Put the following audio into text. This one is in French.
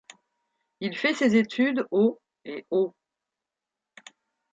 Il fait ses études au ' et au '.